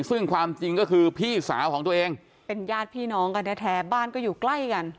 ซึ่งความจริงก็คือพี่สาวของตัวเองเป็นญาติพี่น้องกันแท้บ้านก็อยู่ใกล้กัน